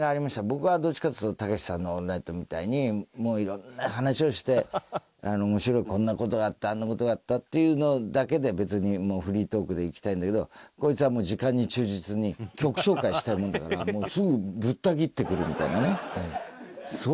僕はどっちかっつうとたけしさんの『オールナイト』みたいにもういろんな話をして面白いこんな事があったあんな事があったっていうのだけで別にもうフリートークでいきたいんだけどこいつは時間に忠実に曲紹介したいもんだからすぐ。